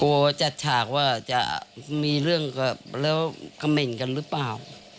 จัดฉากว่าจะมีเรื่องกับแล้วเขม่นกันหรือเปล่า